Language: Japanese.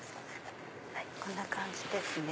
こんな感じですね。